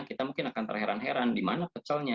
kita mungkin akan terheran heran di mana pecelnya